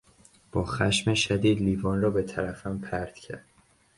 با خشم شدید لیوان را به طرفم پرت کرد.